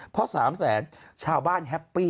เพราะ๓แสนชาวบ้านแฮปปี้